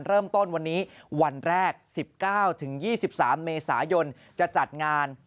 เริ่มต้นวันนี้วันแรก๑๙๒๓เมษายนจะจัดงาน